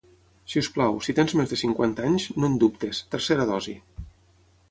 Si us plau, si tens més de cinquanta anys, no en dubtis, tercera dosi.